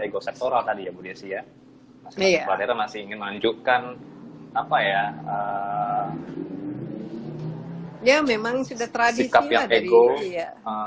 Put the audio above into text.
ekosektoral tadi ya budi sia iya kita masih ingin menunjukkan apa ya ya memang sudah tradisional